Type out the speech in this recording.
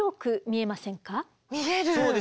見える。